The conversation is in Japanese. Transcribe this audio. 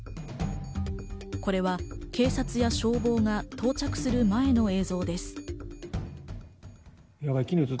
これは警察や消防が到着する前の映像です。